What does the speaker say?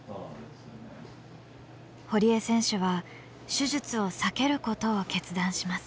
堀江選手は手術を避けることを決断します。